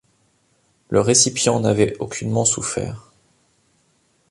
Le récipient n’avait aucunement souffert.